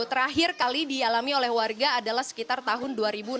terakhir kali dialami oleh warga adalah sekitar tahun dua ribu enam belas